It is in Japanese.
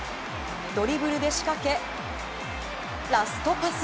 ドリブルで仕掛け、ラストパス。